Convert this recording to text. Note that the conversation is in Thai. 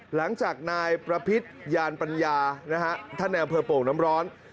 หลังจากนายประพิษยานปัญญานะฮะท่านในอำเภอโป่งน้ำร้อน